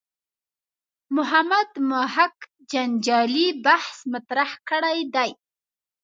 محمد محق جنجالي بحث مطرح کړی دی.